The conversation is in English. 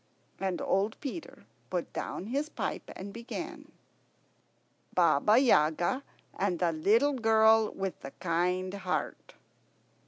And old Peter put down his pipe and began: BABA YAGA AND THE LITTLE GIRL WITH THE KIND HEART.